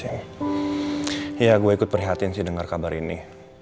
iya gue ikut perhatian sih dengar kabar ini